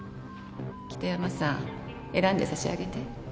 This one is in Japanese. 北山さん選んでさしあげて。